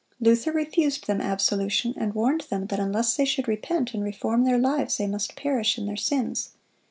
Luther refused them absolution, and warned them that unless they should repent and reform their lives, they must perish in their sins.